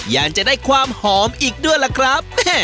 ยังจะได้ความหอมอีกด้วยล่ะครับ